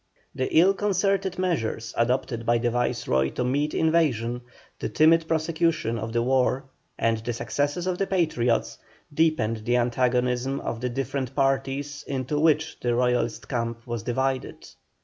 The ill concerted measures adopted by the Viceroy to meet invasion, the timid prosecution of the war, and the successes of the Patriots, deepened the antagonism of the different parties into which the Royalist camp was divided.